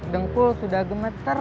dengkul sudah gemeter